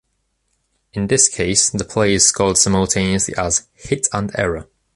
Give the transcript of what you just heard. In this case, the play is scored simultaneously as “hit and error”.